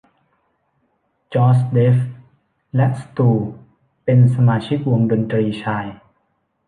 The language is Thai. จอส เดฟ และสตูเป็นสมาชิกวงดนตรีชาย